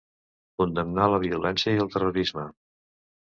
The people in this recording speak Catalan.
Condemnar la violència i el terrorisme.